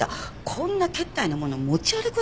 こんなけったいなもの持ち歩く